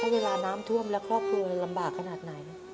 เวลาน้ำท่วมและครอบครัวลำบากขนาดไหน